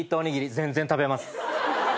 全然食べます。